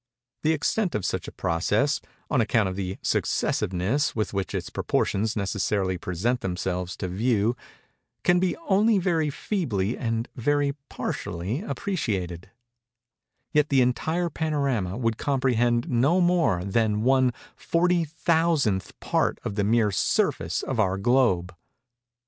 The extent of such a prospect, on account of the successiveness with which its portions necessarily present themselves to view, can be only very feebly and very partially appreciated:—yet the entire panorama would comprehend no more than one 40,000th part of the mere surface of our globe.